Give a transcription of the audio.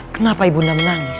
kenapa ibu nda menangis